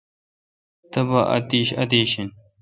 تبا اتیش ادیش این۔